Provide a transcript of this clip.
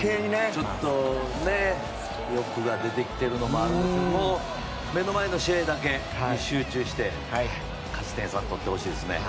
ちょっと欲が出てきているのもあるけど目の前の試合だけに集中して勝ち点３を取ってほしいです。